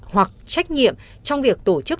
hoặc trách nhiệm trong việc tổ chức